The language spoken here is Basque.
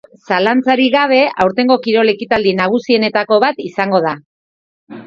Zalantzarik gabe, aurtengo kirol ekitaldi nagusienetako bat izango da.